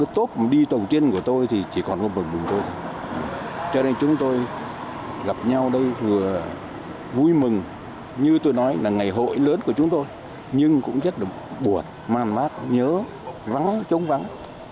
tốt mà đi tổng tiên của tôi thì chỉ còn vô bờ bùi tôi cho nên chúng tôi gặp nhau đây vừa vui mừng như tôi nói là ngày hội lớn của chúng tôi nhưng cũng rất là buồn man mát nhớ vắng chống vắng